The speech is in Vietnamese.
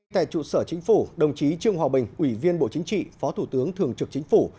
tại trụ sở chính phủ đồng chí trương hòa bình ủy viên bộ chính trị phó thủ tướng thường trực chính phủ